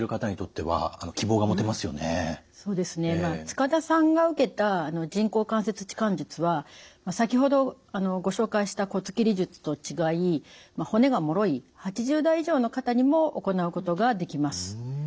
塚田さんが受けた人工関節置換術は先ほどご紹介した骨切り術と違い骨がもろい８０代以上の方にも行うことができます。